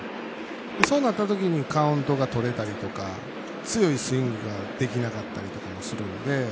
そうなった時にカウントがとれたりとか強いスイングができなかったりもするんで